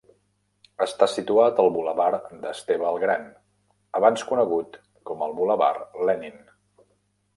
Està situat al bulevard d'Esteve el Gran, abans conegut com el bulevard Lenin.